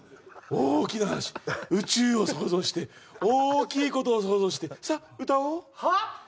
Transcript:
大きな話宇宙を想像して大きいことを想像してさあ歌おうはあ？